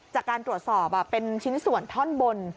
จากการตรวจสอบเป็นชิ้นส่วนท่อนบน